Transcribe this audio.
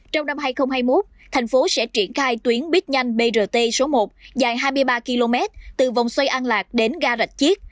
trong năm hai nghìn hai mươi một thành phố sẽ triển khai tuyến bít nhanh brt số một dài hai mươi ba km từ vòng xoay an lạc đến ga rạch chiếc